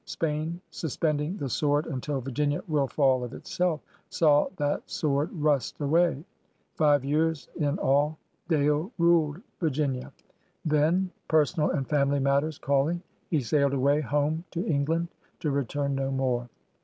Spain, suspending the sword until Virginia ''will fall of itself e," saw that sword rust away. Five years in all Dale ruled Virginia. Then, 92 PIONEERS OF THE OLD SOOTH personal aQd family matters callmg» he sailed away home to England, to return no more.